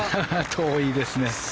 遠いですね。